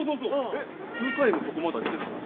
えっ向井もここまだ来てたんだ？